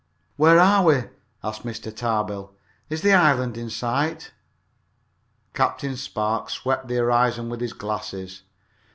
"Where are we?" asked Mr. Tarbill. "Is the island in sight?" Captain Spark swept the horizon with his glasses.